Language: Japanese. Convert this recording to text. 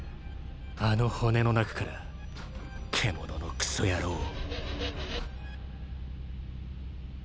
あの骨の中から獣のクソ野郎を。